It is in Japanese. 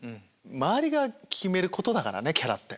周りが決めることだからねキャラって。